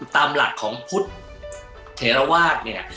ตามหลักของพุทธเทราวาสเนี่ย